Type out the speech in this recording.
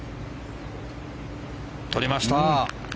とりました！